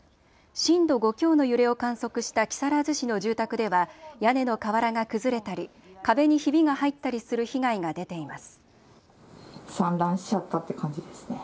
震度５強の揺れを観測した木更津市の住宅では屋根の瓦が崩れたり壁にひびが入ったりする被害が出ています。